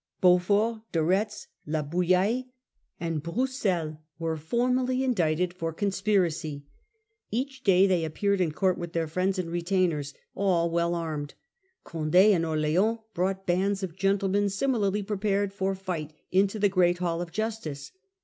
Beaufort, De Retz, La Boullaie, and Brousscl were for mally indicted for conspiracy. Each day they appeared in court with their friends and retainers, all well armed. Conde and Orleans brought bands of gentlemen similarly prepared for fight into the great hall of justice.